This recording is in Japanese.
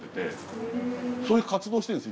そういう活動をしてるんです